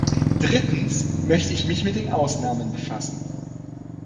Drittens möchte ich mich mit den Ausnahmen befassen.